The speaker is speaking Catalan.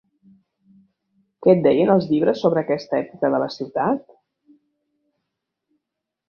Què et deien els llibres sobre aquesta època de la ciutat?